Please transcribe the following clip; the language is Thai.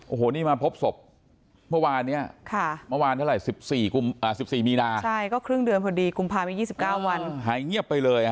โอ้โหนี่มาพบศพเมื่อวานเนี่ย